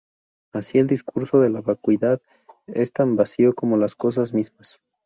Así, el discurso de la vacuidad es tan vacío como las cosas mismas.